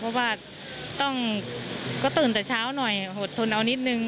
เพราะว่าต้องก็ตื่นแต่เช้าหน่อยหดทนเอานิดนึง